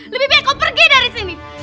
lebih baik kau pergi dari sini